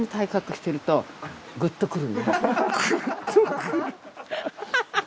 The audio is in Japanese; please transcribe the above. グッとくる。